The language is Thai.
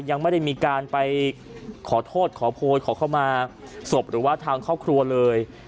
ยังไม่ได้มีการไปขอโทษขอโพยขอเข้ามาศพหรือว่าทางครอบครัวเลย